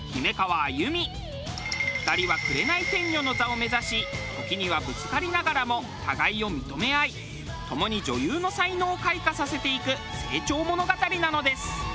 ２人は紅天女の座を目指し時にはぶつかりながらも互いを認め合いともに女優の才能を開花させていく成長物語なのです。